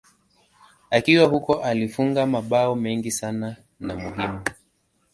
Akiwa huko alifunga mabao mengi sana na muhimu.